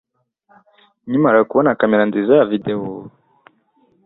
Nkimara kubona kamera nziza ya videwo